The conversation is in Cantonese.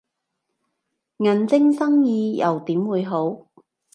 銀晶生意又點會好